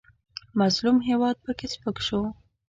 مظلوم هېواد پکې سپک شو.